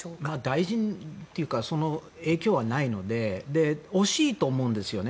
大臣というかその影響はないので惜しいと思うんですよね。